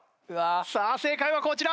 さあ正解はこちら！